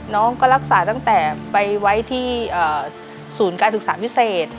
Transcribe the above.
น้องก็รักษาตั้งแต่ไปไว้ที่ศูนย์การศึกษาพิเศษ